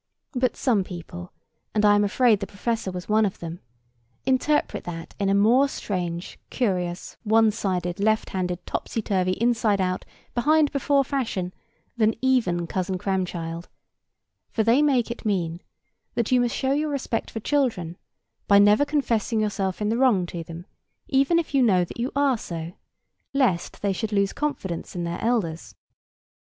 But some people, and I am afraid the professor was one of them, interpret that in a more strange, curious, one sided, left handed, topsy turvy, inside out, behind before fashion than even Cousin Cramchild; for they make it mean, that you must show your respect for children, by never confessing yourself in the wrong to them, even if you know that you are so, lest they should lose confidence in their elders.